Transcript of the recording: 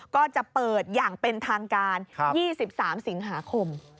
ก็จะเปิดอย่างเป็นทางการ๒๓สิงหาคม